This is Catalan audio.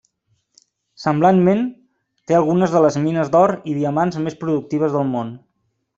Semblantment té algunes de les mines d'or i diamants més productives del món.